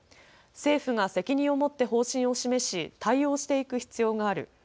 政府が責任を持って方針を示し対応していく必要がある。